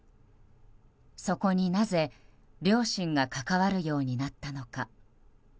そこになぜ両親が関わるようになったのか。